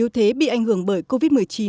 yếu thế bị ảnh hưởng bởi covid một mươi chín